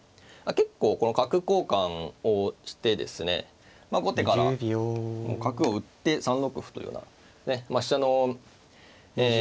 結構この角交換をしてですね後手から角を打って３六歩というような飛車のそうですね